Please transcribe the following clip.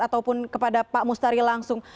ataupun kepada pak mustari langsung